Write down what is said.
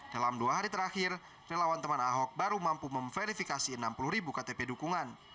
dalam dua hari terakhir relawan teman ahok baru mampu memverifikasi enam puluh ribu ktp dukungan